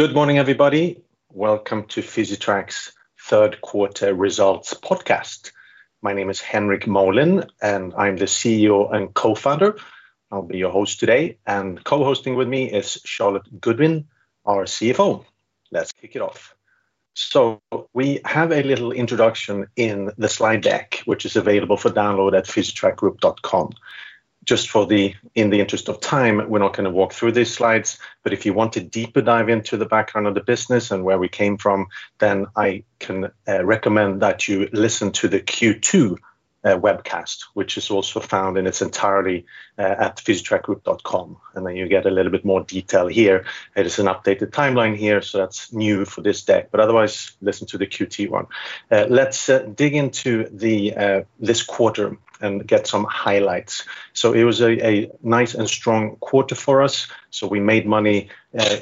Good morning, everybody. Welcome to Physitrack's third quarter results podcast. My name is Henrik Molin, and I'm the CEO and co-founder. I'll be your host today, and co-hosting with me is Charlotte Goodwin, our CFO. Let's kick it off. So we have a little introduction in the slide deck, which is available for download at physitrackgroup.com. Just in the interest of time, we're not going to walk through these slides, but if you want a deeper dive into the background of the business and where we came from, then I can recommend that you listen to the Q2 webcast, which is also found in its entirety at physitrackgroup.com. Then you get a little bit more detail here. It is an updated timeline here, so that's new for this deck, but otherwise, listen to the Q2 one. Let's dig into this quarter and get some highlights. So it was a nice and strong quarter for us. So we made money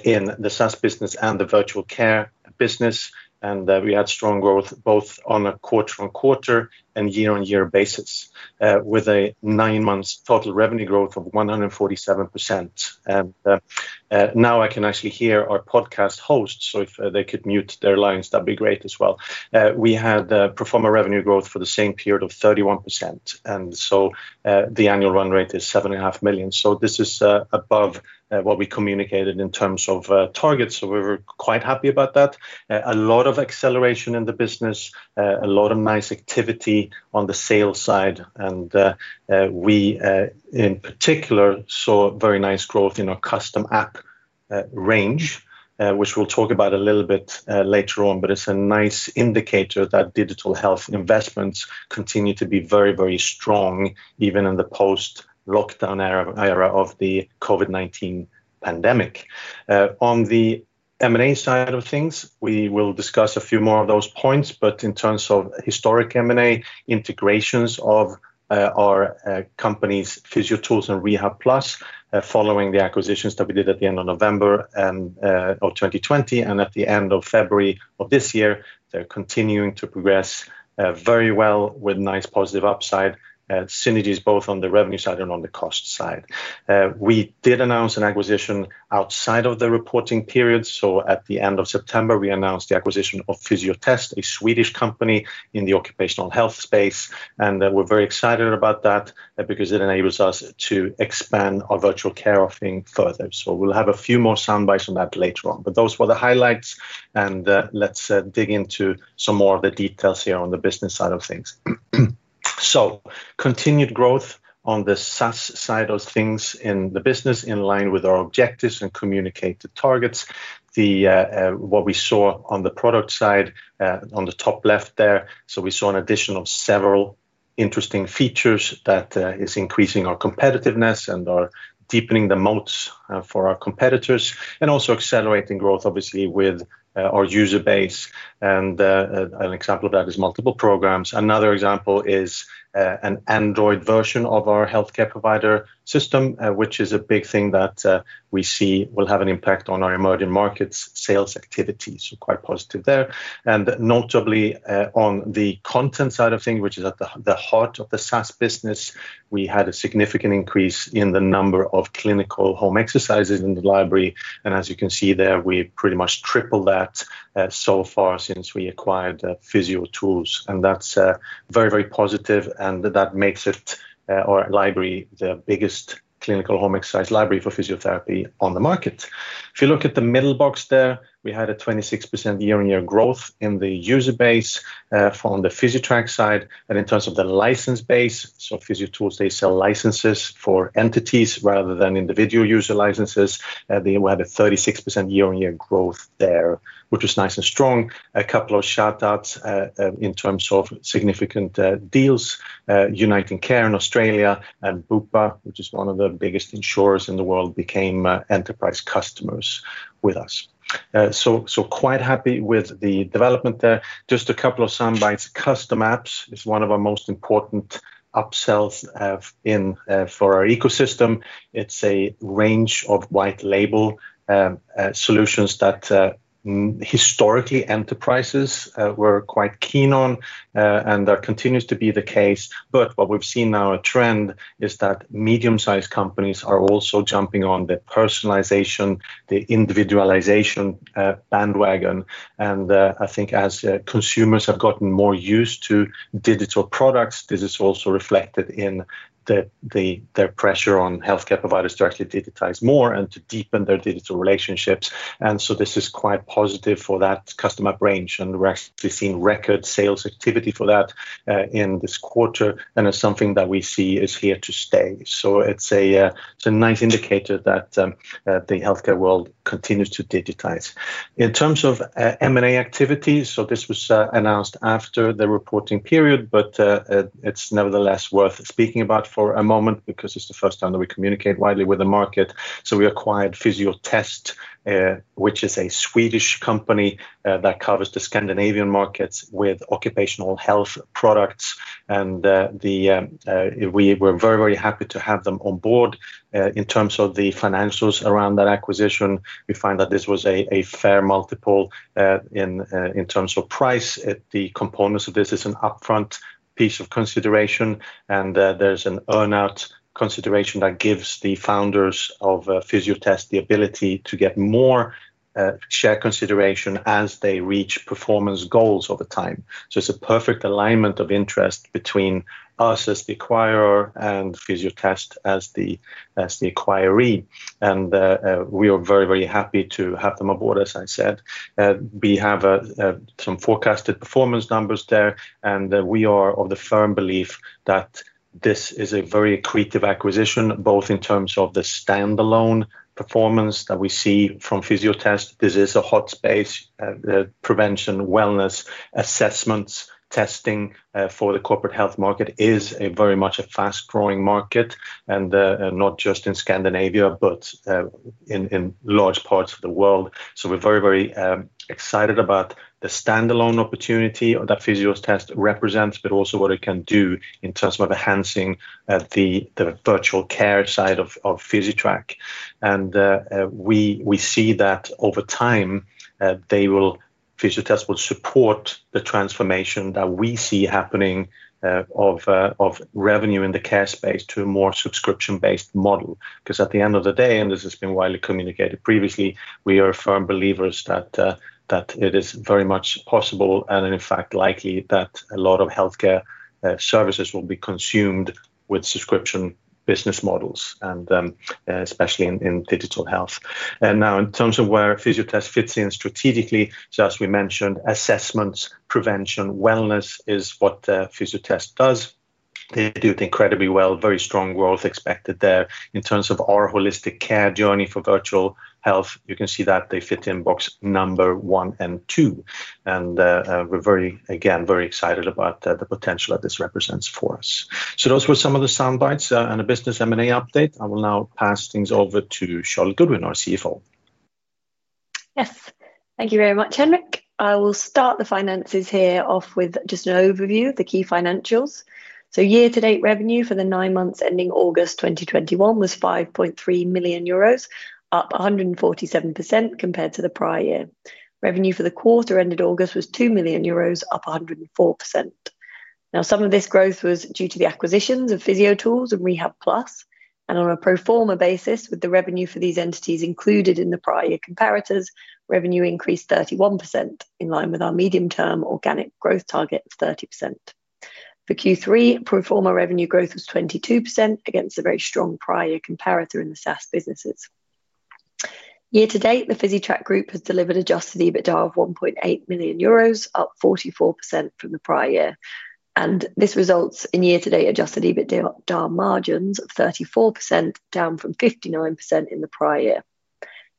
in the SaaS business and the virtual care business, and we had strong growth both on a quarter-on-quarter and year-on-year basis, with a 9-month total revenue growth of 147%. And now I can actually hear our podcast host, so if they could mute their lines, that'd be great as well. We had pro forma revenue growth for the same period of 31%, and so the annual run rate is 7.5 million. So this is above what we communicated in terms of targets, so we were quite happy about that. A lot of acceleration in the business, a lot of nice activity on the sales side, and we, in particular, saw very nice growth in our custom app range, which we'll talk about a little bit later on, but it's a nice indicator that digital health investments continue to be very, very strong, even in the post-lockdown era of the COVID-19 pandemic. On the M&A side of things, we will discuss a few more of those points, but in terms of historic M&A integrations of our company's PhysioTools and Rehab Plus, following the acquisitions that we did at the end of November of 2020 and at the end of February of this year, they're continuing to progress very well with nice positive upside synergies both on the revenue side and on the cost side. We did announce an acquisition outside of the reporting period, so at the end of September, we announced the acquisition of Fysiotest, a Swedish company in the occupational health space, and we're very excited about that because it enables us to expand our virtual care offering further. So we'll have a few more soundbites on that later on, but those were the highlights, and let's dig into some more of the details here on the business side of things. So continued growth on the SaaS side of things in the business in line with our objectives and communicated targets. What we saw on the product side on the top left there, so we saw an addition of several interesting features that is increasing our competitiveness and are deepening the moats for our competitors, and also accelerating growth, obviously, with our user base. An example of that is multiple programs. Another example is an Android version of our healthcare provider system, which is a big thing that we see will have an impact on our emerging markets sales activity, so quite positive there. Notably, on the content side of things, which is at the heart of the SaaS business, we had a significant increase in the number of clinical home exercises in the library, and as you can see there, we pretty much tripled that so far since we acquired PhysioTools, and that's very, very positive, and that makes our library the biggest clinical home exercise library for physiotherapy on the market. If you look at the middle box there, we had a 26% year-over-year growth in the user base on the Physitrack side, and in terms of the license base, so PhysioTools, they sell licenses for entities rather than individual user licenses, and we had a 36% year-over-year growth there, which was nice and strong. A couple of shout-outs in terms of significant deals, UnitingCare in Australia and Bupa, which is one of the biggest insurers in the world, became enterprise customers with us. So quite happy with the development there. Just a couple of soundbites. Custom apps is one of our most important upsells for our ecosystem. It's a range of white-label solutions that historically enterprises were quite keen on, and that continues to be the case, but what we've seen now, a trend, is that medium-sized companies are also jumping on the personalization, the individualization bandwagon, and I think as consumers have gotten more used to digital products, this is also reflected in their pressure on healthcare providers to actually digitize more and to deepen their digital relationships, and so this is quite positive for that custom app range, and we're actually seeing record sales activity for that in this quarter, and it's something that we see is here to stay. So it's a nice indicator that the healthcare world continues to digitize. In terms of M&A activities, so this was announced after the reporting period, but it's nevertheless worth speaking about for a moment because it's the first time that we communicate widely with the market. So we acquired Fysiotest, which is a Swedish company that covers the Scandinavian markets with occupational health products, and we were very, very happy to have them on board. In terms of the financials around that acquisition, we find that this was a fair multiple in terms of price. The components of this is an upfront piece of consideration, and there's an earn-out consideration that gives the founders of Fysiotest the ability to get more share consideration as they reach performance goals over time. So it's a perfect alignment of interest between us as the acquirer and Fysiotest as the acquiree, and we are very, very happy to have them aboard, as I said. We have some forecasted performance numbers there, and we are of the firm belief that this is a very creative acquisition, both in terms of the standalone performance that we see from Fysiotest. This is a hot space. Prevention, wellness, assessments, testing for the corporate health market is very much a fast-growing market, and not just in Scandinavia, but in large parts of the world. So we're very, very excited about the standalone opportunity that Fysiotest represents, but also what it can do in terms of enhancing the virtual care side of Physitrack. We see that over time, Fysiotest will support the transformation that we see happening of revenue in the care space to a more subscription-based model, because at the end of the day, and this has been widely communicated previously, we are firm believers that it is very much possible and, in fact, likely that a lot of healthcare services will be consumed with subscription business models, and especially in digital health. Now, in terms of where Fysiotest fits in strategically, so as we mentioned, assessments, prevention, wellness is what Fysiotest does. They do it incredibly well. Very strong growth expected there. In terms of our holistic care journey for virtual health, you can see that they fit in box number 1 and 2, and we're again very excited about the potential that this represents for us. So those were some of the soundbites and a business M&A update. I will now pass things over to Charlotte Goodwin, our CFO. Yes, thank you very much, Henrik. I will start the finances here off with just an overview, the key financials. So year-to-date revenue for the nine months ending August 2021 was 5.3 million euros, up 147% compared to the prior year. Revenue for the quarter ended August was 2 million euros, up 104%. Now, some of this growth was due to the acquisitions of PhysioTools and Rehab Plus, and on a pro forma basis, with the revenue for these entities included in the prior year comparators, revenue increased 31% in line with our medium-term organic growth target of 30%. For Q3, pro forma revenue growth was 22% against a very strong prior year comparator in the SaaS businesses. Year-to-date, the Physitrack Group has delivered Adjusted EBITDA of 1.8 million euros, up 44% from the prior year, and this results in year-to-date Adjusted EBITDA margins of 34%, down from 59% in the prior year.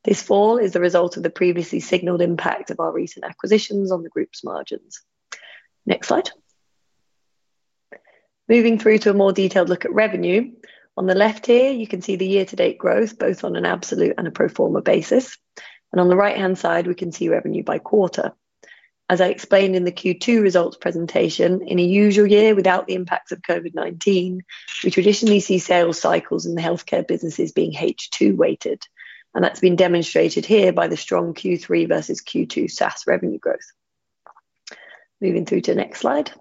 This fall is the result of the previously signaled impact of our recent acquisitions on the group's margins. Next slide. Moving through to a more detailed look at revenue, on the left here, you can see the year-to-date growth both on an absolute and a pro forma basis, and on the right-hand side, we can see revenue by quarter. As I explained in the Q2 results presentation, in a usual year without the impacts of COVID-19, we traditionally see sales cycles in the healthcare businesses being H2-weighted, and that's been demonstrated here by the strong Q3 versus Q2 SaaS revenue growth. Moving through to the next slide.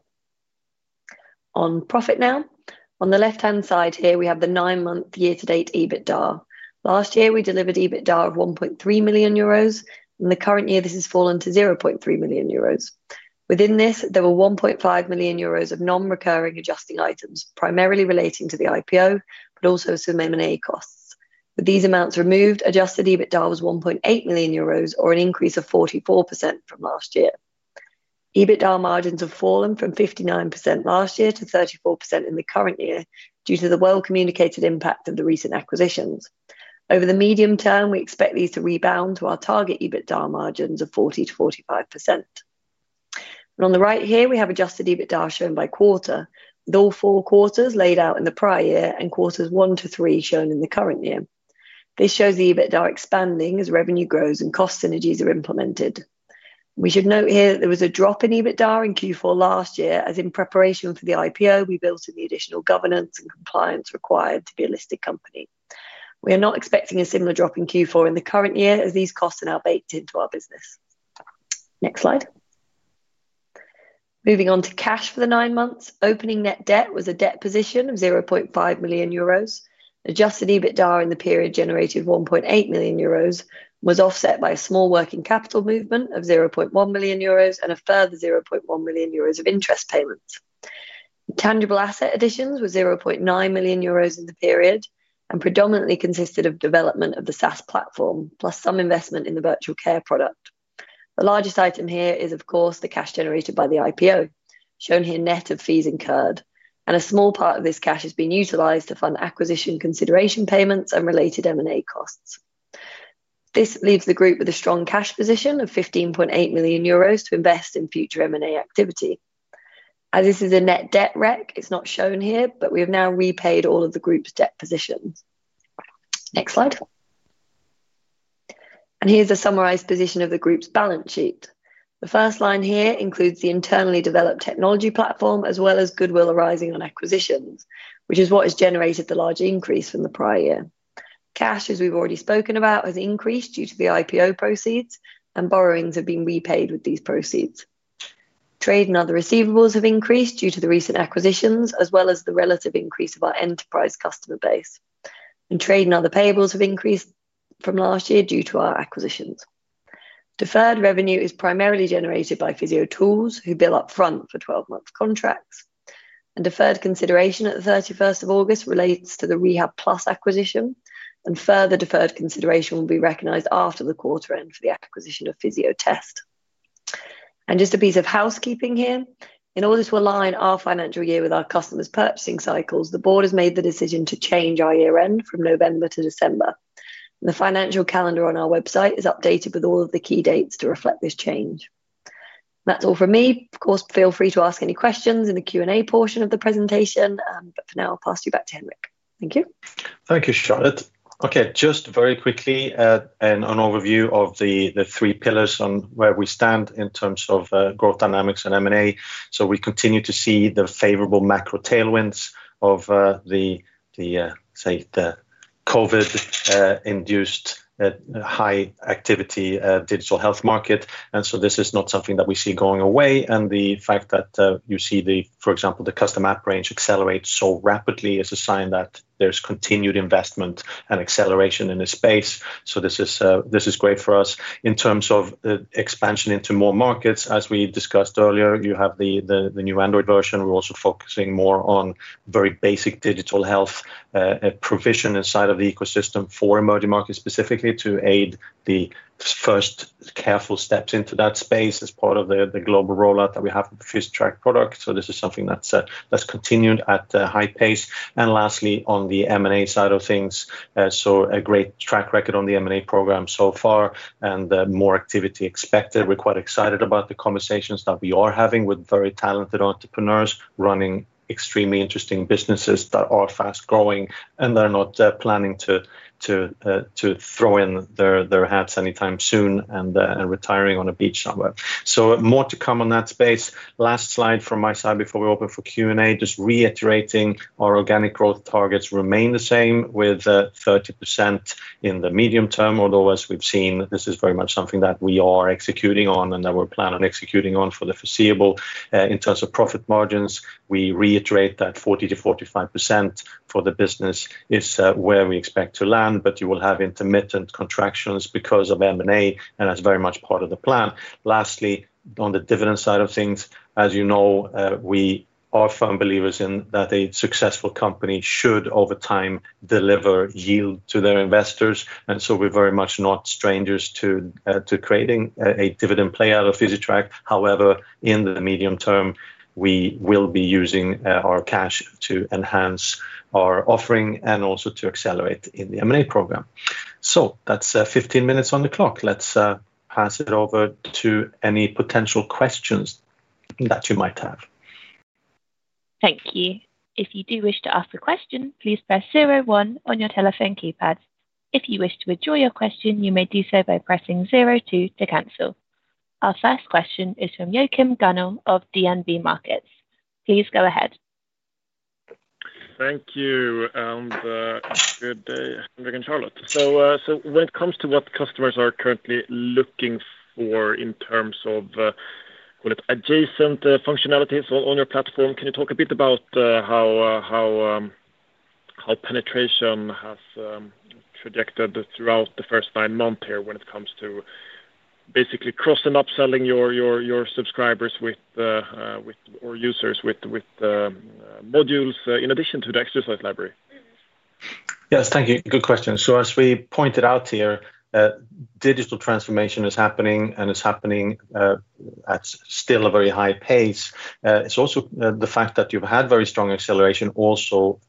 On profit now, on the left-hand side here, we have the nine-month year-to-date EBITDA. Last year, we delivered EBITDA of 1.3 million euros, and the current year this has fallen to 0.3 million euros. Within this, there were 1.5 million euros of non-recurring adjusting items, primarily relating to the IPO, but also some M&A costs. With these amounts removed, Adjusted EBITDA was 1.8 million euros, or an increase of 44% from last year. EBITDA margins have fallen from 59% last year to 34% in the current year due to the well-communicated impact of the recent acquisitions. Over the medium term, we expect these to rebound to our target EBITDA margins of 40%-45%. On the right here, we have Adjusted EBITDA shown by quarter, with all four quarters laid out in the prior year and quarters 1-3 shown in the current year. This shows the EBITDA expanding as revenue grows and cost synergies are implemented. We should note here that there was a drop in EBITDA in Q4 last year as in preparation for the IPO, we built in the additional governance and compliance required to be a listed company. We are not expecting a similar drop in Q4 in the current year as these costs are now baked into our business. Next slide. Moving on to cash for the nine months, opening net debt was a debt position of 0.5 million euros. Adjusted EBITDA in the period generated 1.8 million euros was offset by a small working capital movement of 0.1 million euros and a further 0.1 million euros of interest payments. Tangible asset additions were 0.9 million euros in the period and predominantly consisted of development of the SaaS platform, plus some investment in the virtual care product. The largest item here is, of course, the cash generated by the IPO, shown here net of fees incurred, and a small part of this cash has been utilized to fund acquisition consideration payments and related M&A costs. This leaves the group with a strong cash position of 15.8 million euros to invest in future M&A activity. As this is a net debt rec, it's not shown here, but we have now repaid all of the group's debt positions. Next slide. Here's the summarized position of the group's balance sheet. The first line here includes the internally developed technology platform as well as goodwill arising on acquisitions, which is what has generated the large increase from the prior year. Cash, as we've already spoken about, has increased due to the IPO proceeds, and borrowings have been repaid with these proceeds. Trade and other receivables have increased due to the recent acquisitions as well as the relative increase of our enterprise customer base, and trade and other payables have increased from last year due to our acquisitions. Deferred revenue is primarily generated by PhysioTools, who bill upfront for 12-month contracts, and deferred consideration at the 31st of August relates to the Rehab Plus acquisition, and further deferred consideration will be recognized after the quarter end for the acquisition of Fysiotest. And just a piece of housekeeping here. In order to align our financial year with our customers' purchasing cycles, the board has made the decision to change our year-end from November to December, and the financial calendar on our website is updated with all of the key dates to reflect this change. That's all from me. Of course, feel free to ask any questions in the Q&A portion of the presentation, but for now, I'll pass you back to Henrik. Thank you. Thank you, Charlotte. Okay, just very quickly, an overview of the three pillars on where we stand in terms of growth dynamics and M&A. So we continue to see the favorable macro tailwinds of the, say, the COVID-induced high activity digital health market, and so this is not something that we see going away, and the fact that you see the, for example, the custom app range accelerate so rapidly is a sign that there's continued investment and acceleration in this space, so this is great for us. In terms of expansion into more markets, as we discussed earlier, you have the new Android version. We're also focusing more on very basic digital health provision inside of the ecosystem for emerging markets specifically to aid the first careful steps into that space as part of the global rollout that we have with the Physitrack product, so this is something that's continued at a high pace. Lastly, on the M&A side of things, so a great track record on the M&A program so far and more activity expected. We're quite excited about the conversations that we are having with very talented entrepreneurs running extremely interesting businesses that are fast-growing and that are not planning to throw in their hats anytime soon and retiring on a beach somewhere. More to come on that space. Last slide from my side before we open for Q&A. Just reiterating, our organic growth targets remain the same with 30% in the medium term, although as we've seen, this is very much something that we are executing on and that we're planning on executing on for the foreseeable. In terms of profit margins, we reiterate that 40%-45% for the business is where we expect to land, but you will have intermittent contractions because of M&A, and that's very much part of the plan. Lastly, on the dividend side of things, as you know, we are firm believers in that a successful company should, over time, deliver yield to their investors, and so we're very much not strangers to creating a dividend playout of Physitrack. However, in the medium term, we will be using our cash to enhance our offering and also to accelerate in the M&A program. So that's 15 minutes on the clock. Let's pass it over to any potential questions that you might have. Thank you. If you do wish to ask a question, please press zero one on your telephone keypad. If you wish to withdraw your question, you may do so by pressing zero two to cancel. Our first question is from Joachim Gunell of DNB Markets. Please go ahead. Thank you, and good day, Henrik and Charlotte. So when it comes to what customers are currently looking for in terms of adjacent functionalities on your platform, can you talk a bit about how penetration has projected throughout the first nine months here when it comes to basically cross- and upselling your subscribers or users with modules in addition to the exercise library? Yes, thank you. Good question. So as we pointed out here, digital transformation is happening, and it's happening at still a very high pace. It's also the fact that you've had very strong acceleration also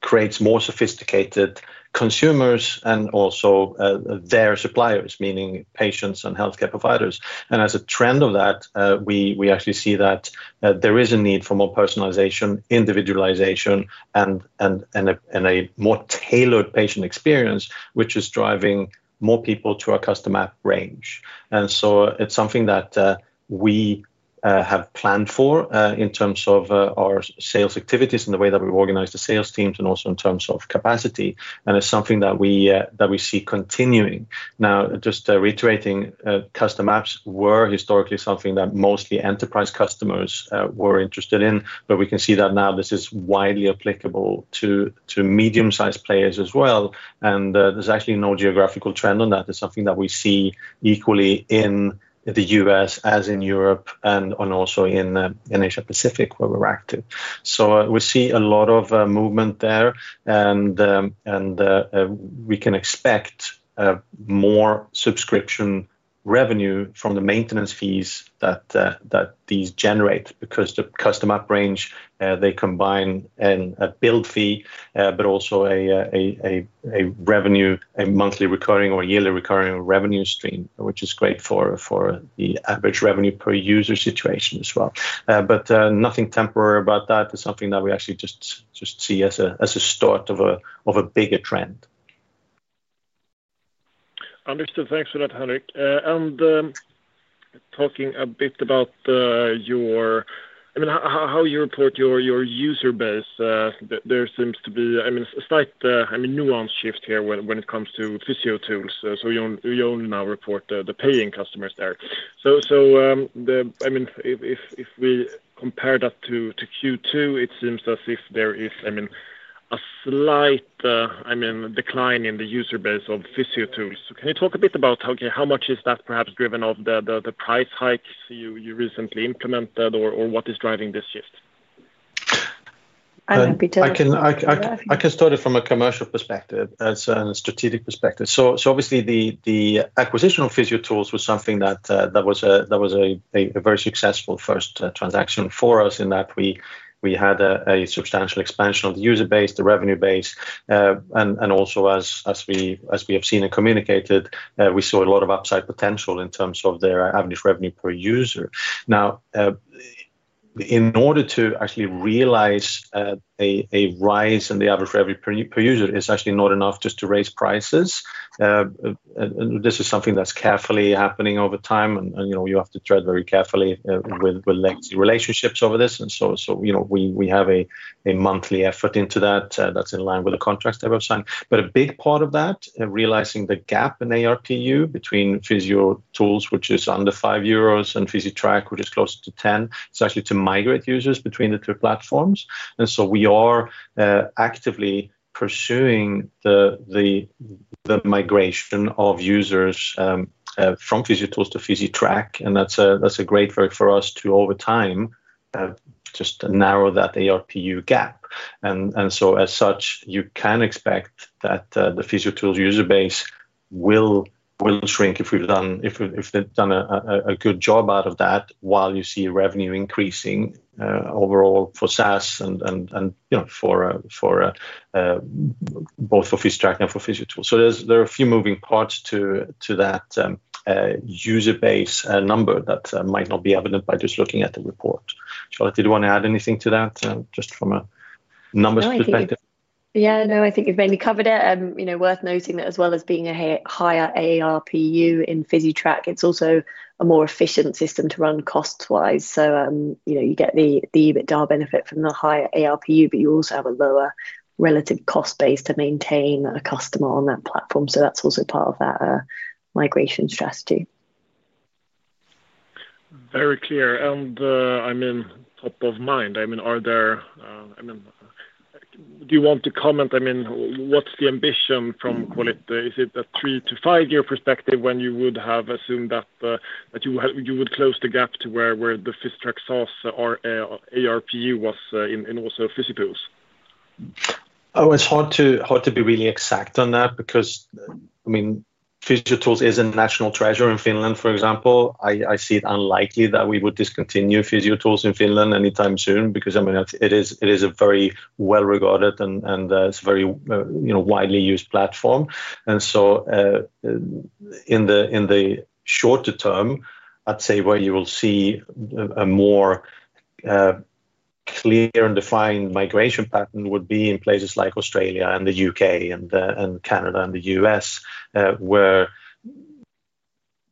creates more sophisticated consumers and also their suppliers, meaning patients and healthcare providers. And as a trend of that, we actually see that there is a need for more personalization, individualization, and a more tailored patient experience, which is driving more people to our custom app range. And so it's something that we have planned for in terms of our sales activities and the way that we've organized the sales teams and also in terms of capacity, and it's something that we see continuing. Now, just reiterating, custom apps were historically something that mostly enterprise customers were interested in, but we can see that now this is widely applicable to medium-sized players as well, and there's actually no geographical trend on that. It's something that we see equally in the U.S. as in Europe and also in Asia-Pacific where we're active. So we see a lot of movement there, and we can expect more subscription revenue from the maintenance fees that these generate because the custom app range, they combine a build fee, but also a revenue, a monthly recurring or yearly recurring revenue stream, which is great for the average revenue per user situation as well. But nothing temporary about that. It's something that we actually just see as a start of a bigger trend. Understood. Thanks for that, Henrik. And talking a bit about your, I mean, how you report your user base, there seems to be a slight nuance shift here when it comes to PhysioTools. So you only now report the paying customers there. So if we compare that to Q2, it seems as if there is a slight decline in the user base of PhysioTools. So can you talk a bit about how much is that perhaps driven by the price hikes you recently implemented or what is driving this shift? I can start it from a commercial perspective, a strategic perspective. So obviously, the acquisition of PhysioTools was something that was a very successful first transaction for us in that we had a substantial expansion of the user base, the revenue base, and also as we have seen and communicated, we saw a lot of upside potential in terms of their average revenue per user. Now, in order to actually realize a rise in the average revenue per user, it's actually not enough just to raise prices. This is something that's carefully happening over time, and you have to tread very carefully with legacy relationships over this, and so we have a monthly effort into that that's in line with the contracts that we've signed. But a big part of that, realizing the gap in ARPU between PhysioTools, which is under 5 euros, and Physitrack, which is closer to 10, is actually to migrate users between the two platforms. And so we are actively pursuing the migration of users from PhysioTools to Physitrack, and that's a great work for us to, over time, just narrow that ARPU gap. And so as such, you can expect that the PhysioTools user base will shrink if they've done a good job out of that while you see revenue increasing overall for SaaS and for both Physitrack and for PhysioTools. So there are a few moving parts to that user base number that might not be evident by just looking at the report. Charlotte, did you want to add anything to that just from a numbers perspective? Yeah, no, I think you've mainly covered it. Worth noting that as well as being a higher ARPU in Physitrack, it's also a more efficient system to run cost-wise. So you get the EBITDA benefit from the higher ARPU, but you also have a lower relative cost base to maintain a customer on that platform, so that's also part of that migration strategy. Very clear. And I mean, top of mind, I mean, are there, do you want to comment, I mean, what's the ambition from Qualit? Is it a 3-5-year perspective when you would have assumed that you would close the gap to where the Physitrack SaaS ARPU was in also PhysioTools? Oh, it's hard to be really exact on that because, I mean, PhysioTools is a national treasure in Finland, for example. I see it unlikely that we would discontinue PhysioTools in Finland anytime soon because it is a very well-regarded and it's a very widely used platform. And so in the shorter term, I'd say where you will see a more clear and defined migration pattern would be in places like Australia and the U.K. and Canada and the U.S. where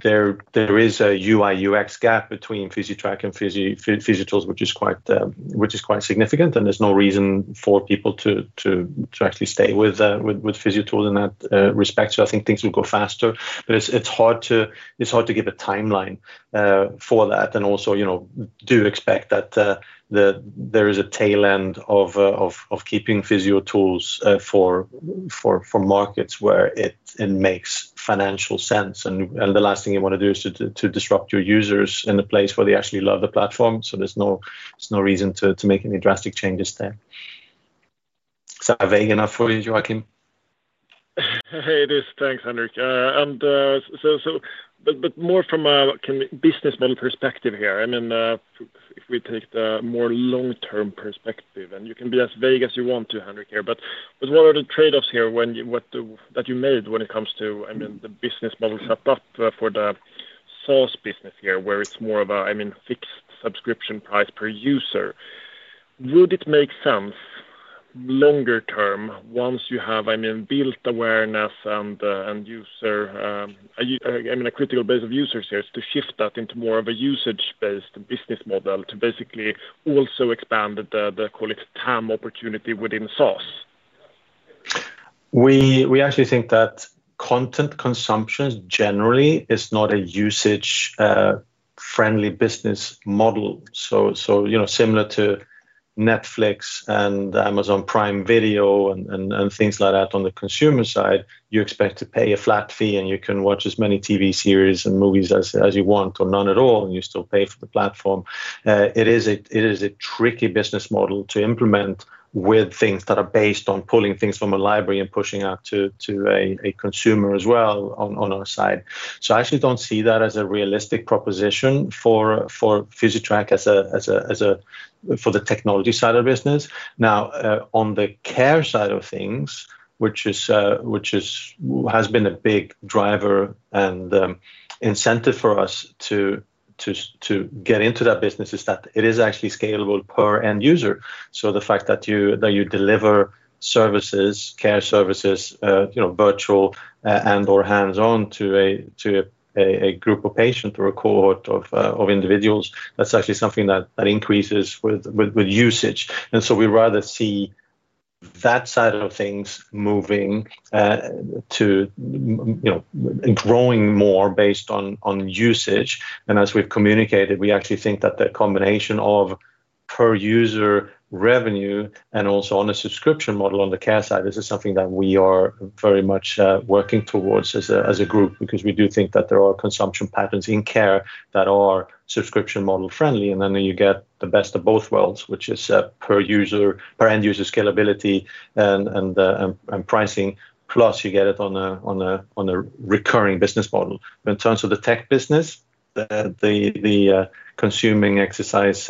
there is a UI/UX gap between Physitrack and PhysioTools, which is quite significant, and there's no reason for people to actually stay with PhysioTools in that respect. So I think things will go faster, but it's hard to give a timeline for that and also do expect that there is a tail end of keeping PhysioTools for markets where it makes financial sense. The last thing you want to do is to disrupt your users in a place where they actually love the platform, so there's no reason to make any drastic changes there. Is that vague enough for you, Joachim? It is. Thanks, Henrik. But more from a business model perspective here, I mean, if we take the more long-term perspective, and you can be as vague as you want to, Henrik here, but what are the trade-offs here that you made when it comes to the business model set up for the SaaS business here where it's more of a fixed subscription price per user? Would it make sense longer term once you have built awareness and a critical base of users here to shift that into more of a usage-based business model to basically also expand the Physitrack's TAM opportunity within SaaS? We actually think that content consumption generally is not a usage-friendly business model. So similar to Netflix and Amazon Prime Video and things like that on the consumer side, you expect to pay a flat fee and you can watch as many TV series and movies as you want or none at all, and you still pay for the platform. It is a tricky business model to implement with things that are based on pulling things from a library and pushing out to a consumer as well on our side. So I actually don't see that as a realistic proposition for Physitrack for the technology side of the business. Now, on the care side of things, which has been a big driver and incentive for us to get into that business, is that it is actually scalable per end user. So the fact that you deliver services, care services, virtual and/or hands-on to a group of patients or a cohort of individuals, that's actually something that increases with usage. And so we'd rather see that side of things moving to growing more based on usage. And as we've communicated, we actually think that the combination of per user revenue and also on a subscription model on the care side, this is something that we are very much working towards as a group because we do think that there are consumption patterns in care that are subscription model-friendly. And then you get the best of both worlds, which is per user, per end user scalability and pricing, plus you get it on a recurring business model. In terms of the tech business, the consuming exercise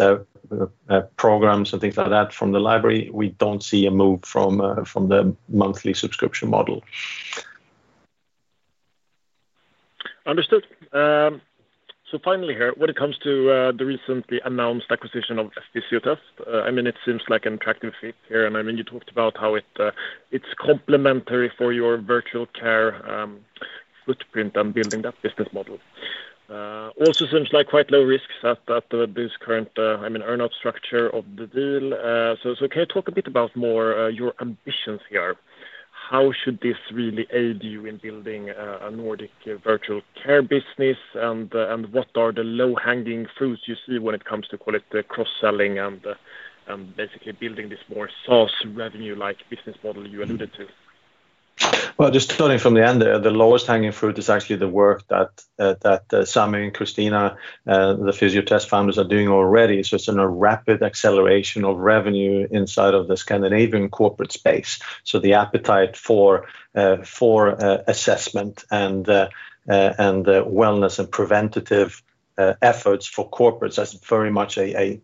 programs and things like that from the library, we don't see a move from the monthly subscription model. Understood. So finally here, when it comes to the recently announced acquisition of Fysiotest, I mean, it seems like an attractive fit here. And I mean, you talked about how it's complementary for your virtual care footprint and building that business model. Also seems like quite low risk at this current earn-out structure of the deal. So can you talk a bit about more your ambitions here? How should this really aid you in building a Nordic virtual care business, and what are the low-hanging fruits you see when it comes to Fysiotest cross-selling and basically building this more SaaS revenue-like business model you alluded to? Well, just starting from the end there, the lowest hanging fruit is actually the work that Sam and Christina, the Fysiotest founders, are doing already. It's just a rapid acceleration of revenue inside of the Scandinavian corporate space. So the appetite for assessment and wellness and preventative efforts for corporates is very much a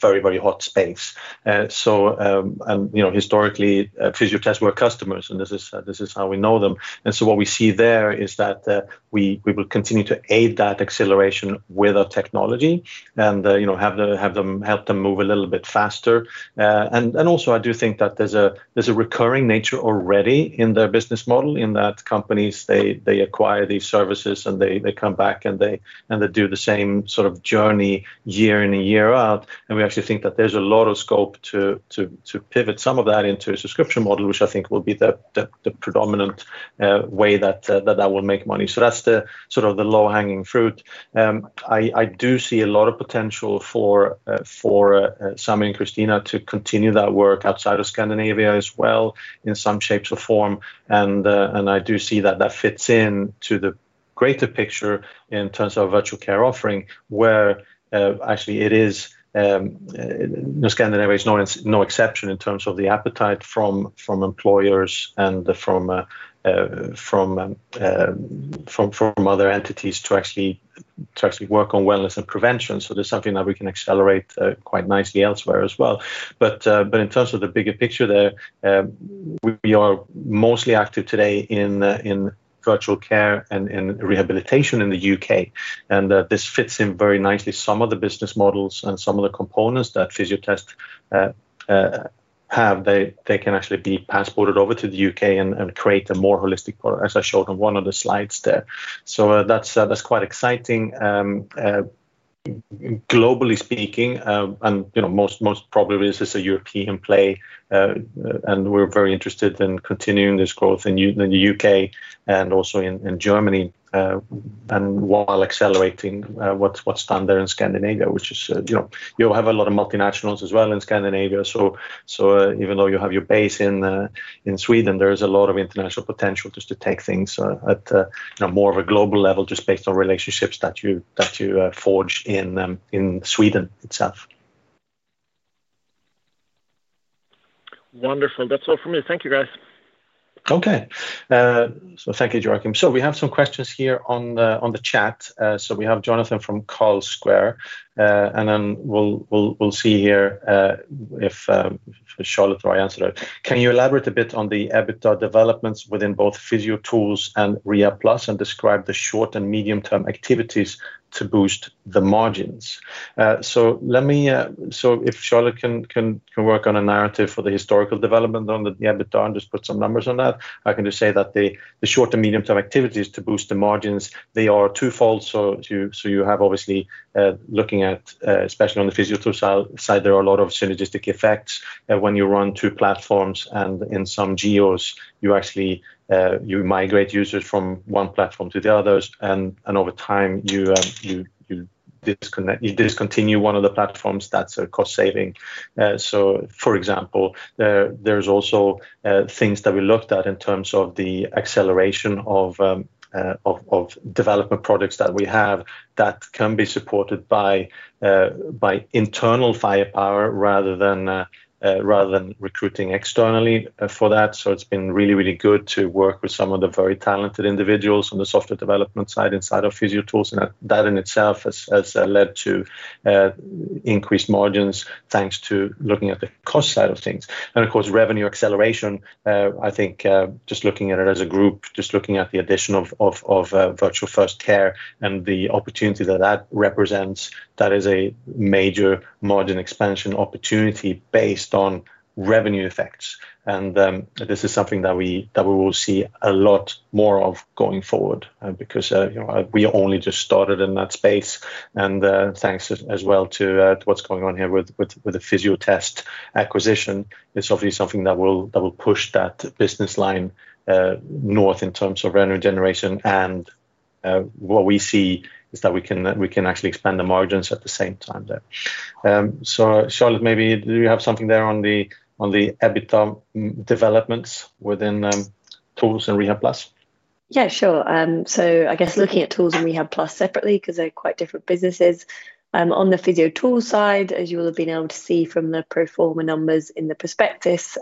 very, very hot space. And historically, Fysiotest were customers, and this is how we know them. And so what we see there is that we will continue to aid that acceleration with our technology and help them move a little bit faster. And also, I do think that there's a recurring nature already in their business model in that companies they acquire these services and they come back and they do the same sort of journey year in and year out. We actually think that there's a lot of scope to pivot some of that into a subscription model, which I think will be the predominant way that that will make money. So that's the sort of the low-hanging fruit. I do see a lot of potential for Sam and Christina to continue that work outside of Scandinavia as well in some shapes or form. And I do see that that fits into the greater picture in terms of virtual care offering where actually it is. Scandinavia is no exception in terms of the appetite from employers and from other entities to actually work on wellness and prevention. So there's something that we can accelerate quite nicely elsewhere as well. But in terms of the bigger picture there, we are mostly active today in virtual care and rehabilitation in the U.K. And this fits in very nicely. Some of the business models and some of the components that Physitrack have, they can actually be passported over to the U.K. and create a more holistic product, as I showed on one of the slides there. So that's quite exciting globally speaking. And most probably, this is a European play, and we're very interested in continuing this growth in the U.K. and also in Germany and while accelerating what's done there in Scandinavia, which is you'll have a lot of multinationals as well in Scandinavia. So even though you have your base in Sweden, there is a lot of international potential just to take things at more of a global level just based on relationships that you forge in Sweden itself. Wonderful. That's all from me. Thank you, guys. Okay. So thank you, Joachim. So we have some questions here on the chat. So we have Jonathan from Carlsquare, and then we'll see here if Charlotte or I answered it. Can you elaborate a bit on the EBITDA developments within both PhysioTools and Rehab Plus and describe the short and medium-term activities to boost the margins? So if Charlotte can work on a narrative for the historical development on the EBITDA and just put some numbers on that, I can just say that the short and medium-term activities to boost the margins, they are twofold. So you have obviously looking at, especially on the PhysioTools side, there are a lot of synergistic effects when you run two platforms. And in some geos, you migrate users from one platform to the others, and over time, you discontinue one of the platforms. That's a cost-saving. So for example, there's also things that we looked at in terms of the acceleration of development projects that we have that can be supported by internal firepower rather than recruiting externally for that. So it's been really, really good to work with some of the very talented individuals on the software development side inside of PhysioTools. And that in itself has led to increased margins thanks to looking at the cost side of things. And of course, revenue acceleration, I think just looking at it as a group, just looking at the addition of virtual first care and the opportunity that that represents, that is a major margin expansion opportunity based on revenue effects. And this is something that we will see a lot more of going forward because we only just started in that space. And thanks as well to what's going on here with the Physitrack acquisition. It's obviously something that will push that business line north in terms of revenue generation. What we see is that we can actually expand the margins at the same time there. Charlotte, maybe do you have something there on the EBITDA developments within PhysioTools and Rehab Plus? Yeah, sure. So I guess looking at PhysioTools and Rehab Plus separately because they're quite different businesses. On the PhysioTools side, as you will have been able to see from the pro forma numbers in the prospectus,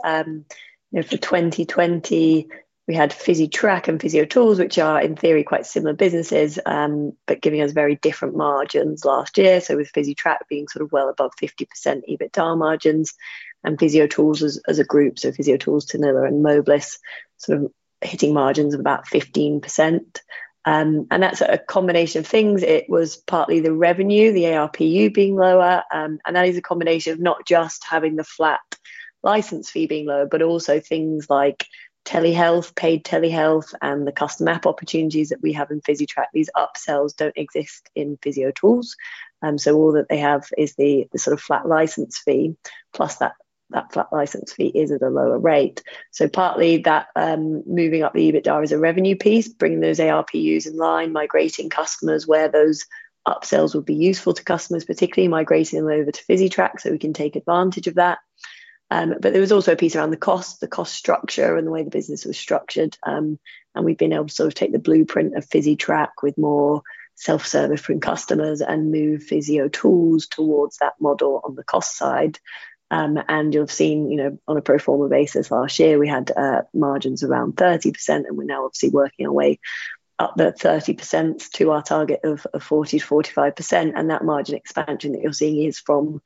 for 2020, we had Physitrack and PhysioTools, which are in theory quite similar businesses, but giving us very different margins last year. So with Physitrack being sort of well above 50% EBITDA margins and PhysioTools as a group, so PhysioTools, Tinnilla, and Mobilus sort of hitting margins of about 15%. And that's a combination of things. It was partly the revenue, the ARPU being lower. And that is a combination of not just having the flat license fee being low, but also things like paid telehealth and the custom app opportunities that we have in Physitrack. These upsells don't exist in PhysioTools. So all that they have is the sort of flat license fee, plus that flat license fee is at a lower rate. So partly that moving up the EBITDA is a revenue piece, bringing those ARPUs in line, migrating customers where those upsells will be useful to customers, particularly migrating them over to Physitrack so we can take advantage of that. But there was also a piece around the cost, the cost structure and the way the business was structured. And we've been able to sort of take the blueprint of Physitrack with more self-service from customers and move PhysioTools towards that model on the cost side. And you'll have seen on a pro forma basis last year, we had margins around 30%, and we're now obviously working our way up that 30% to our target of 40%-45%. That margin expansion that you're seeing is from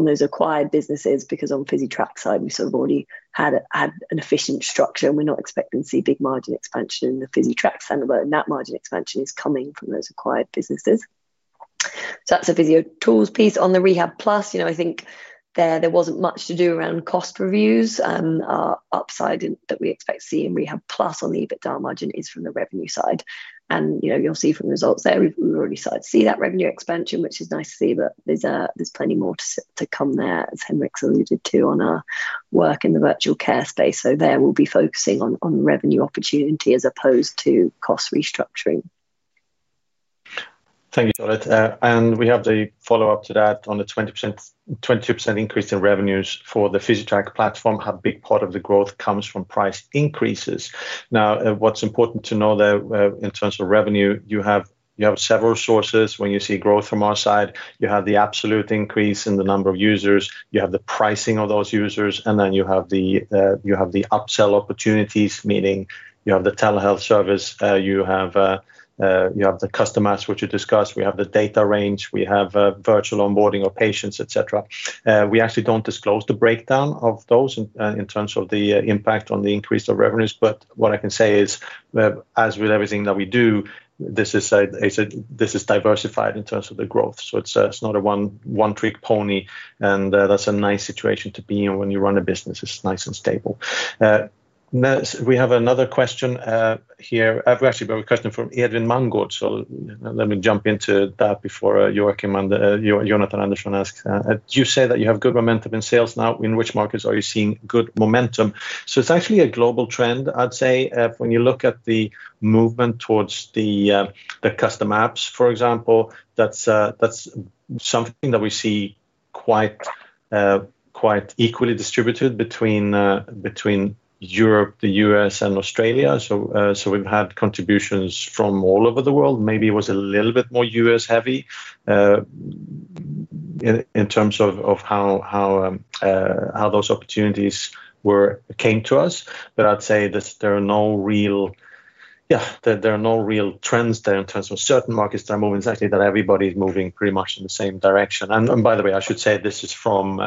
those acquired businesses because on Physitrack side, we sort of already had an efficient structure and we're not expecting to see big margin expansion in the Physitrack standard, but that margin expansion is coming from those acquired businesses. So that's a PhysioTools piece. On the Rehab Plus, I think there wasn't much to do around cost reviews. Our upside that we expect to see in Rehab Plus on the EBITDA margin is from the revenue side. And you'll see from the results there, we've already started to see that revenue expansion, which is nice to see, but there's plenty more to come there, as Henrik alluded to on our work in the virtual care space. So there we'll be focusing on revenue opportunity as opposed to cost restructuring. Thank you, Charlotte. We have the follow-up to that on the 22% increase in revenues for the Physitrack platform. How big part of the growth comes from price increases. Now, what's important to know there in terms of revenue, you have several sources when you see growth from our side. You have the absolute increase in the number of users, you have the pricing of those users, and then you have the upsell opportunities, meaning you have the telehealth service, you have the customers, which you discussed, we have the data range, we have virtual onboarding of patients, etc. We actually don't disclose the breakdown of those in terms of the impact on the increase of revenues. But what I can say is, as with everything that we do, this is diversified in terms of the growth. So it's not a one-trick pony, and that's a nice situation to be in when you run a business. It's nice and stable. We have another question here. Actually, we have a question from Edwin Mangold. So let me jump into that before Jonathan Anderson asks. You say that you have good momentum in sales now. In which markets are you seeing good momentum? So it's actually a global trend, I'd say, when you look at the movement towards the custom apps, for example. That's something that we see quite equally distributed between Europe, the U.S., and Australia. So we've had contributions from all over the world. Maybe it was a little bit more U.S.-heavy in terms of how those opportunities came to us. But I'd say that there are no real trends there in terms of certain markets that are moving, exactly that everybody's moving pretty much in the same direction. And by the way, I should say this is from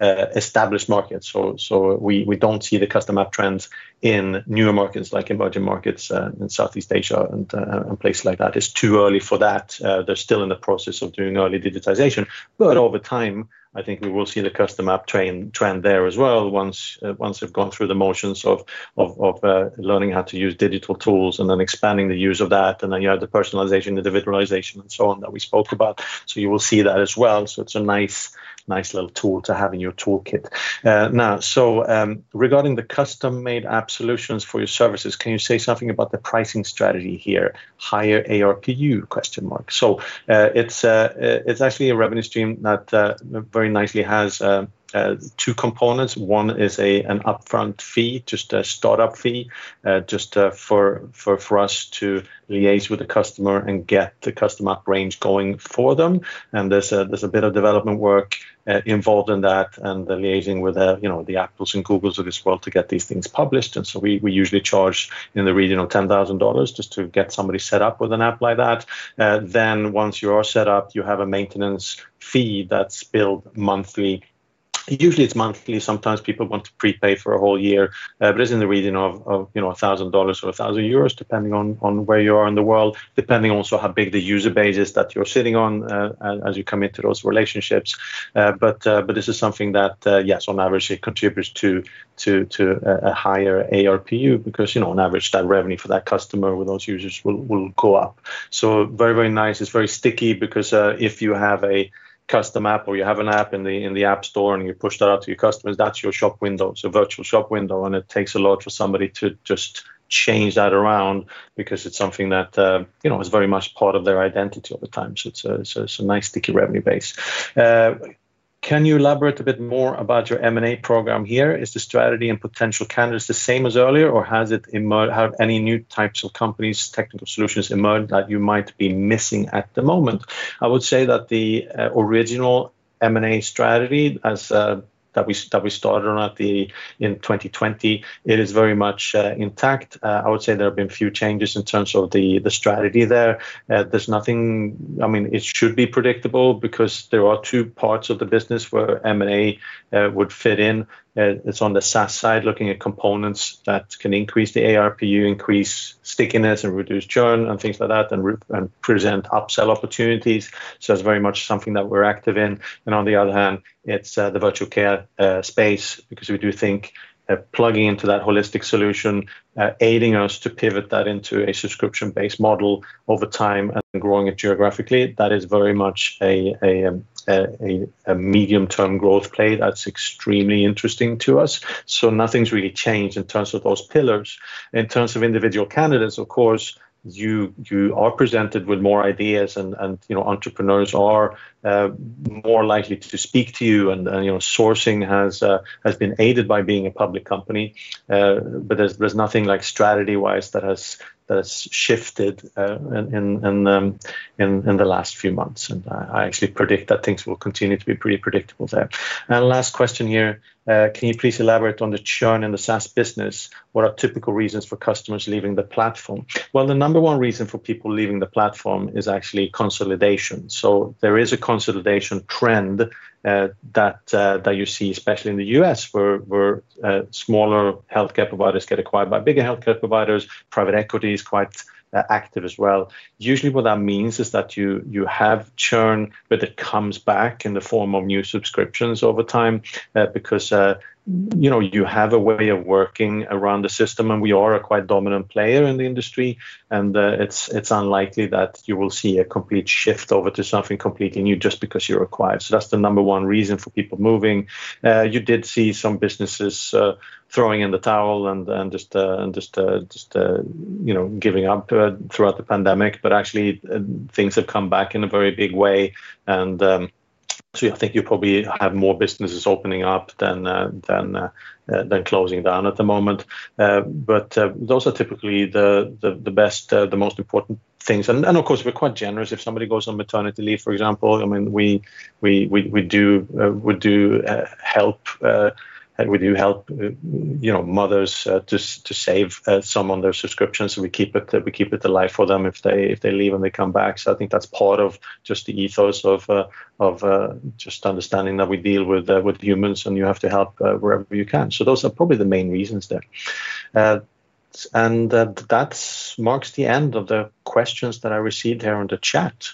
established markets. So we don't see the custom app trends in newer markets like emerging markets in Southeast Asia and places like that. It's too early for that. They're still in the process of doing early digitization. But over time, I think we will see the custom app trend there as well once they've gone through the motions of learning how to use digital tools and then expanding the use of that. And then you have the personalization, individualization, and so on that we spoke about. So you will see that as well. So it's a nice little tool to have in your toolkit. Now, so regarding the custom-made app solutions for your services, can you say something about the pricing strategy here? Higher ARPU? So it's actually a revenue stream that very nicely has two components. One is an upfront fee, just a startup fee, just for us to liaise with the customer and get the custom app range going for them. And there's a bit of development work involved in that and the liaising with the Apples and Googles of this world to get these things published. And so we usually charge in the region of $10,000 just to get somebody set up with an app like that. Then once you are set up, you have a maintenance fee that's billed monthly. Usually, it's monthly. Sometimes people want to prepay for a whole year. But it's in the region of $1,000 or 1,000 euros, depending on where you are in the world, depending also on how big the user base is that you're sitting on as you come into those relationships. But this is something that, yes, on average, it contributes to a higher ARPU because on average, that revenue for that customer with those users will go up. So very, very nice. It's very sticky because if you have a custom app or you have an app in the App Store and you push that out to your customers, that's your shop window, so virtual shop window. And it takes a lot for somebody to just change that around because it's something that is very much part of their identity all the time. So it's a nice sticky revenue base. Can you elaborate a bit more about your M&A program here? Is the strategy and potential candidates the same as earlier, or have any new types of companies, technical solutions emerged that you might be missing at the moment? I would say that the original M&A strategy that we started on in 2020. It is very much intact. I would say there have been few changes in terms of the strategy there. I mean, it should be predictable because there are two parts of the business where M&A would fit in. It's on the SaaS side, looking at components that can increase the ARPU, increase stickiness and reduce churn and things like that, and present upsell opportunities. So it's very much something that we're active in. On the other hand, it's the virtual care space because we do think plugging into that holistic solution, aiding us to pivot that into a subscription-based model over time and growing it geographically, that is very much a medium-term growth plate that's extremely interesting to us. So nothing's really changed in terms of those pillars. In terms of individual candidates, of course, you are presented with more ideas, and entrepreneurs are more likely to speak to you. And sourcing has been aided by being a public company. But there's nothing strategy-wise that has shifted in the last few months. And I actually predict that things will continue to be pretty predictable there. And last question here. Can you please elaborate on the churn in the SaaS business? What are typical reasons for customers leaving the platform? Well, the number one reason for people leaving the platform is actually consolidation. So there is a consolidation trend that you see, especially in the U.S., where smaller healthcare providers get acquired by bigger healthcare providers. Private equity is quite active as well. Usually, what that means is that you have churn, but it comes back in the form of new subscriptions over time because you have a way of working around the system. And we are a quite dominant player in the industry. And it's unlikely that you will see a complete shift over to something completely new just because you're acquired. So that's the number one reason for people moving. You did see some businesses throwing in the towel and just giving up throughout the pandemic. But actually, things have come back in a very big way. And so I think you probably have more businesses opening up than closing down at the moment. But those are typically the best, the most important things. Of course, we're quite generous. If somebody goes on maternity leave, for example, I mean, we do help. We do help mothers to save some on their subscriptions. We keep it alive for them if they leave and they come back. So I think that's part of just the ethos of just understanding that we deal with humans and you have to help wherever you can. So those are probably the main reasons there. And that marks the end of the questions that I received here on the chat.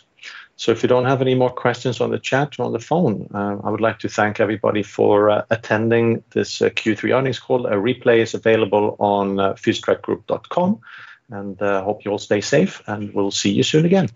So if you don't have any more questions on the chat or on the phone, I would like to thank everybody for attending this Q3 earnings call. A replay is available on physitrackgroup.com. And I hope you all stay safe, and we'll see you soon again.